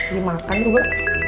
gak mau makan juga